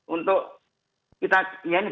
untuk kita ya ini